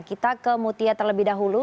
kemutia terlebih dahulu